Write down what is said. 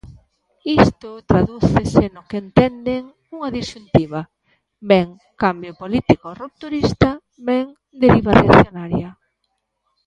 Isto tradúcese no que entenden unha disxuntiva: ben "cambio político rupturista", ben "deriva reaccionaria".